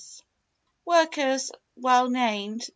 "Workers" (?) (well named).